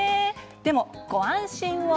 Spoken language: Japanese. でも、ご安心を。